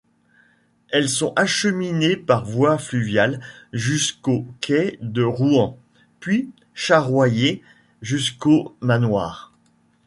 Elles sont acheminées par voie fluviale jusqu'aux quais de Rouen puis charroyées jusqu'au manoir.